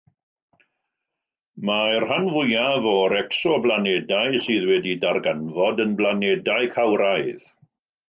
Mae'r rhan fwyaf o'r ecsoblanedau sydd wedi'u darganfod yn blanedau cawraidd.